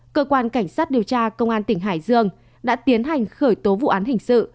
cơ quan cảnh sát điều tra công an tỉnh hải dương đã tiến hành khởi tố vụ án hình sự